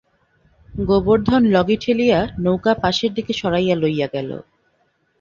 গোবর্ধন লগি ঠেলিয়া নৌকা পাশের দিকে সরাইয়া লাইয়া গেল!